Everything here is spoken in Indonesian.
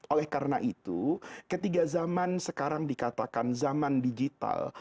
oleh karena itu ketika zaman sekarang dikatakan zaman digital